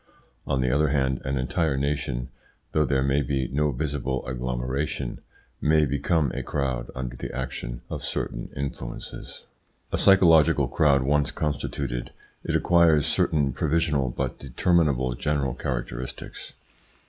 On the other hand, an entire nation, though there may be no visible agglomeration, may become a crowd under the action of certain influences. A psychological crowd once constituted, it acquires certain provisional but determinable general characteristics.